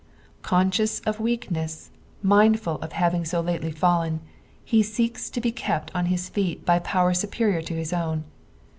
Con scious of weakness, mindful of having so lately fallen, ^e seeks to be kept nn his feet by power superior to his own.